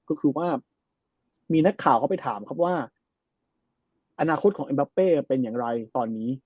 ก็คือว่ามีนักข่าวเข้าไปถามครับว่าอนาคตของเอ็มบาเป้เป็นอย่างไรตอนนี้